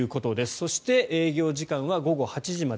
そして営業時間は午後８時まで。